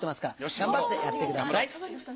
頑張ってやってください。